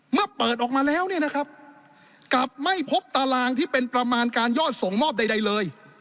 เมื่อเปิดออกมาแล้วเนี่ยนะครับกลับไม่พบตารางที่เป็นประมาณการยอดส่งมอบใดเลย